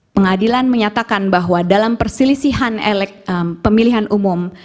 pengadilan menyatakan bahwa dalam perselisihan pemilihan umum